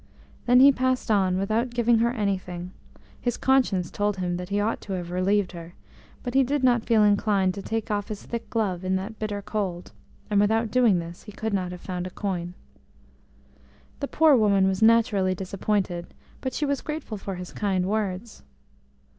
Then he passed on, without giving her anything; his conscience told him that he ought to have relieved her, but he did not feel inclined to take off his thick glove in that bitter cold, and without doing this he could not have found a coin. The poor woman was naturally disappointed, but she was grateful for his kind words.